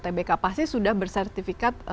tbk pasti sudah bersertifikat